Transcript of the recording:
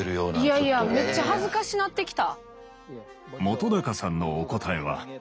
いやいやめっちゃ恥ずかしなってきた。